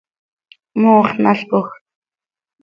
mooxnalcoj.